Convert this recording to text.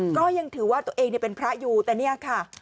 ก็ยังถือว่าตัวเองเป็นพระอยู่แต่เนี่ยค่ะ